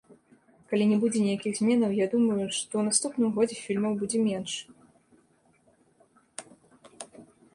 Калі не будзе ніякіх зменаў, я думаю, што ў наступным годзе фільмаў будзе менш.